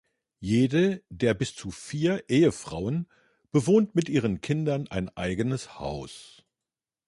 Jede der bis zu vier Ehefrauen bewohnt mit ihren Kindern ein eigenes Haus.